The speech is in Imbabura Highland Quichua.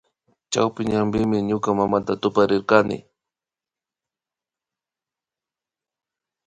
Chawpi ñanpimi ñuka mamata tuparirkani